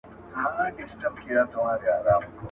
د کافر سوي مسلمان څخه بايد ميرمن جلا سي.